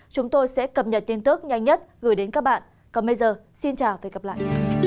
chúng tôi sẽ cập nhật tin tức nhanh nhất gửi đến các bạn còn bây giờ xin chào và hẹn gặp lại